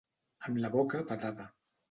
Amb la boca badada.